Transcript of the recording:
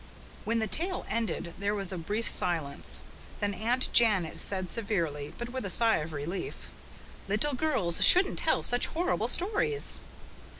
When the tale ended there was a brief silence. Then Aunt Janet said severely, but with a sigh of relief, "Little girls shouldn't tell such horrible stories."